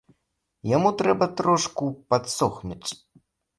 Яму трэба трошку падсохнуць.